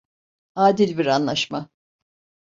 Adil bir anlaşma.